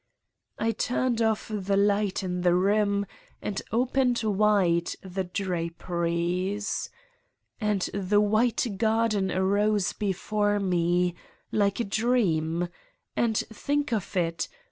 I turned off the light in the room and opened wide the drap eries. And the white garden arose before me, like a dream, and think of it